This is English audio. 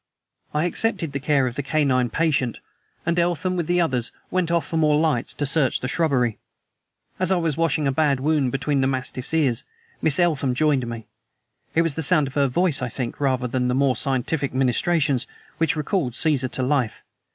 I accepted the care of the canine patient, and Eltham with the others went off for more lights to search the shrubbery. As I was washing a bad wound between the mastiff's ears, Miss Eltham joined me. It was the sound of her voice, I think, rather than my more scientific ministration, which recalled Caesar to life.